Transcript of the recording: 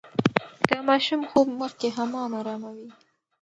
د ماشوم خوب مخکې حمام اراموي.